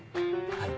はい。